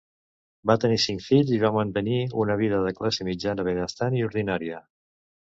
Va tenir cinc fills i va mantenir una vida de classe mitjana benestant i ordinària.